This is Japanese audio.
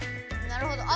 なるほど！